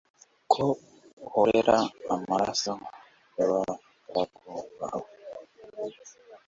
ko uhorera amaraso y'abagaragu bawe